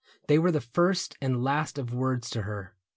They were the first and last of words to her.